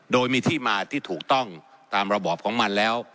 โดยมีที่มาที่ถูกต้องตามระบอบของมันแล้ว